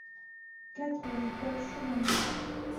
quatre rue Paul Chaumanet